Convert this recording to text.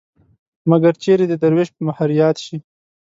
مګر چېرې د دروېش په مهر ياد شي